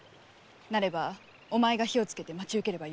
なればお前が火をつけて待ち受けるがよいと。